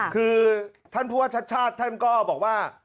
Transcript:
คือท่านพวกชัดท่านก็บอกว่า